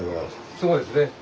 そうですね。